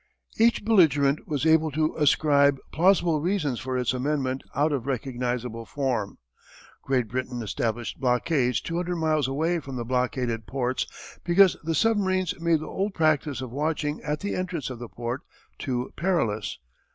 Each belligerent was able to ascribe plausible reasons for its amendment out of recognizable form. Great Britain established blockades two hundred miles away from the blockaded ports because the submarines made the old practice of watching at the entrance of the port too perilous.